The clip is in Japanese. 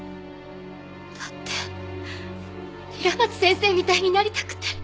だって平松先生みたいになりたくて。